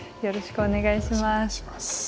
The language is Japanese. よろしくお願いします。